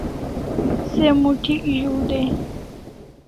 Se moth'ik zu dai